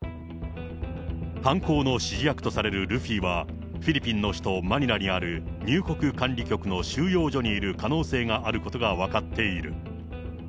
犯行の指示役とされるルフィは、フィリピンの首都マニラにある入国管理局の収容所にいる可能性があることが分かっている。